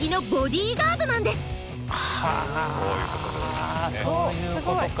いわばそういうことか。